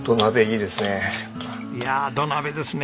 いやあ土鍋ですね！